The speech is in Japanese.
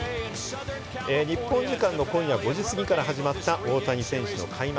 日本時間の今夜５時過ぎから始まった大谷選手の開幕